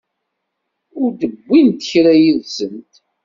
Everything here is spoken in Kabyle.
Ur d-wwint kra yid-sent.